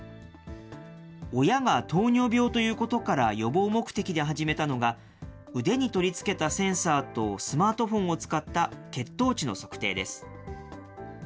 親が糖尿病ということから予防目的で始めたのが、腕に取り付けたセンサーとスマートフォンを使った血糖値の測定です。